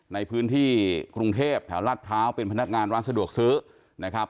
ในพื้นที่กรุงเทพแถวลาดพร้าวเป็นพนักงานร้านสะดวกซื้อนะครับ